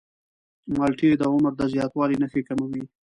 مالټې د عمر د زیاتوالي نښې کموي.